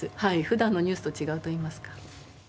普段のニュースと違うといいますか。